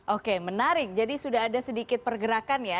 oke menarik jadi sudah ada sedikit pergerakan ya